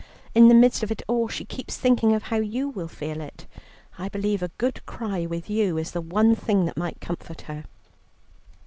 In the midst of it all she keeps thinking of how you will feel it. I believe a good cry with you is the one thing that might comfort her."